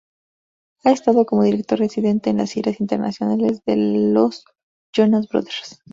Ha estado como director residente en las giras internacionales de Los Jonas Brothers.